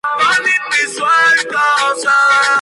Cada planta tiene generalmente una sola flor.